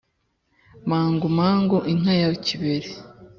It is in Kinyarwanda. Mangu mangu inka ya kibere.